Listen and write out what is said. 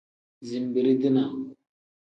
Zinbirii-dinaa.